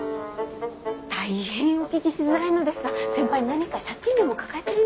大変お聞きしづらいのですが先輩何か借金でも抱えてる？